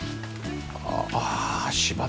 ああ芝だ。